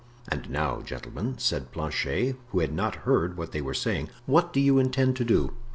"And now, gentlemen," said Planchet, who had not heard what they were saying, "what do you intend to do?"